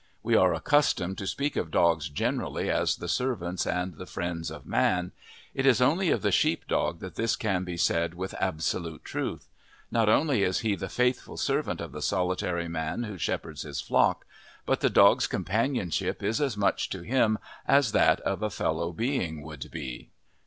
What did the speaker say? We are accustomed to speak of dogs generally as the servants and the friends of man; it is only of the sheep dog that this can be said with absolute truth. Not only is he the faithful servant of the solitary man who shepherds his flock, but the dog's companionship is as much to him as that of a fellow being would be.